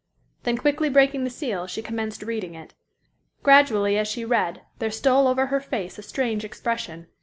Then quickly breaking the seal, she commenced reading it. Gradually as she read there stole over her face a strange expression.